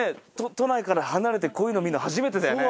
都内から離れてこういうの見るの初めてだよね。